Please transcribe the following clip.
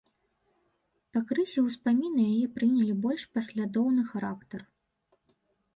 Пакрысе ўспаміны яе прынялі больш паслядоўны характар.